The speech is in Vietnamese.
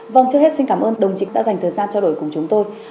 vâng trước hết xin cảm ơn đồng chí đã dành thời gian trao đổi cùng chúng tôi